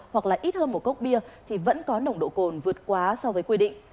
hoặc là ít hơn một cốc bia thì vẫn có nồng độ cồn vượt quá so với quy định